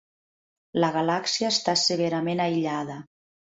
La galàxia està severament aïllada.